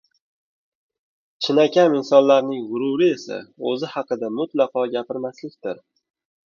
chinakam insonlarning g‘ururi esa o‘zi haqida mutlaqo gapirmaslikdir.